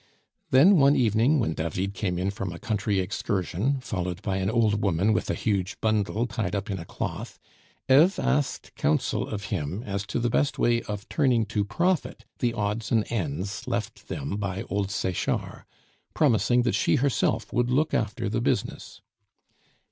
Then one evening when David came in from a country excursion, followed by an old woman with a huge bundle tied up in a cloth, Eve asked counsel of him as to the best way of turning to profit the odds and ends left them by old Sechard, promising that she herself would look after the business.